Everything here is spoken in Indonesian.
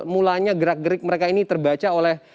data industri mereka ini terbaca oleh